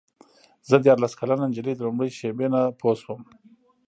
زه دیارلس کلنه نجلۍ د لومړۍ شېبې نه پوه شوم.